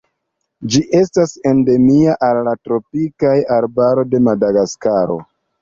Ĝi estas endemia al la tropikaj arbaroj de Madagaskaro.